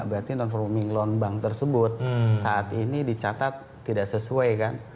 berarti non forming loan bank tersebut saat ini dicatat tidak sesuai kan